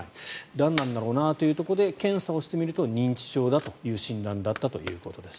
何なんだろうなというところで検査をしてみると認知症だという診断だったということです。